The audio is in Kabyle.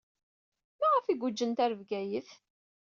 Maɣef ay guǧǧent ɣer Bgayet?